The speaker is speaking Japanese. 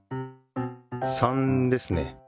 ３ですね。